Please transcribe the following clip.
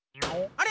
あれ？